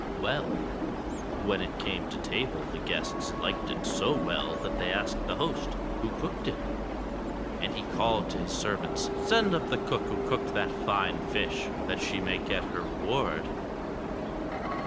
Well ! when it came to table the guests liked it so well that they asked the host who cooked it .? And he called to his servants, "Send up the cook who cooked that fine fish, that she may get her reward."